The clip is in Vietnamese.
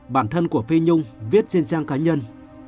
bản thân của phi nhung viết trên trang cá nhân